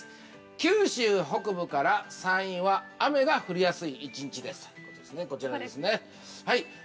九州北部から山陰は、雨が降りやすい１日です。